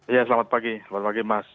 ya selamat pagi selamat pagi mas